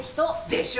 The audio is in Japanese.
でしょ？